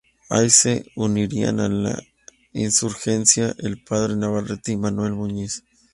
Ahí se unirían a la insurgencia el padre Navarrete y Manuel Muñiz.